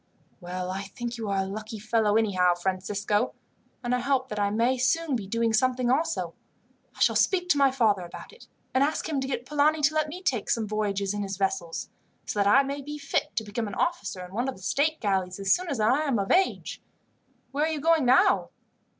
"Well, I think you are a lucky fellow anyhow, Francisco, and I hope that I may be soon doing something also. I shall speak to my father about it, and ask him to get Polani to let me take some voyages in his vessels, so that I may be fit to become an officer in one of the state galleys, as soon as I am of age. Where are you going now?"